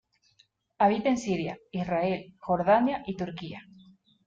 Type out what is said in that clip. Habita en Siria, Israel, Jordania y Turquía.